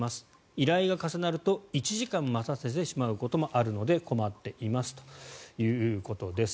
依頼が重なると１時間待たせてしまうこともあるので困っていますということです。